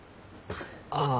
ああ。